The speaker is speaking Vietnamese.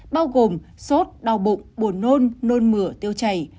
bao gồm sốt đau bụng buồn nôn nôn mửa tiêu chảy